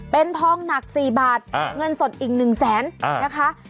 เป็นทองหนัก๔บาทเงินสดอีก๑แสนนะคะ